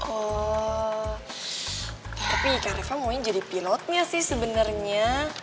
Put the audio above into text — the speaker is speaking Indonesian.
oh tapi kareva maunya jadi pilotnya sih sebenarnya